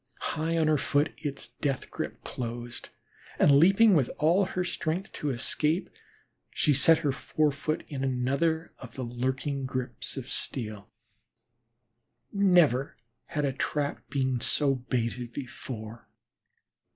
High on her foot its death grip closed, and leaping with all her strength, to escape, she set her fore foot in another of the lurking grips of steel. Never had a trap been so baited before.